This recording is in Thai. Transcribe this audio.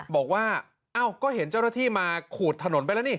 บอกว่าเอ้าก็เห็นเจ้าหน้าที่มาขูดถนนไปแล้วนี่